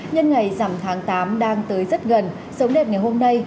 nhân ngày dằm tháng tám đang tới rất gần sống đẹp ngày hôm nay